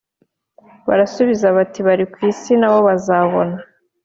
Barasubiza bati bari ku isi nabo bazabona